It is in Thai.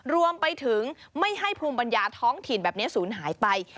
รวมไปถึงไม่ให้ภูมิปัญญาท้องถิ่นแบบนี้ศูนย์หายไป